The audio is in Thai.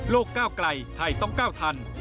ก้าวไกลไทยต้องก้าวทัน